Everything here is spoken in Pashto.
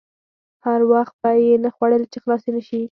هر وخت به یې نه خوړلې چې خلاصې نه شي.